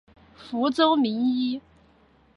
福州名医。